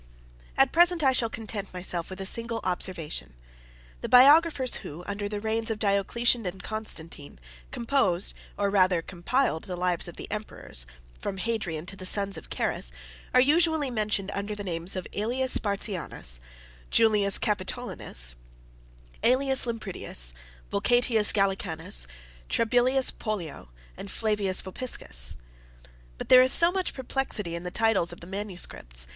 At present I shall content myself with a single observation. The biographers, who, under the reigns of Diocletian and Constantine, composed, or rather compiled, the lives of the Emperors, from Hadrian to the sons of Carus, are usually mentioned under the names of Ælius Spartianus, Julius Capitolinus, Ælius Lampridius, Vulcatius Gallicanus, Trebellius Pollio and Flavius Vopiscus. But there is so much perplexity in the titles of the MSS.